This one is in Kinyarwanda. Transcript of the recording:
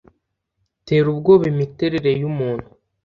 Tera ubwoba imiterere yumuntu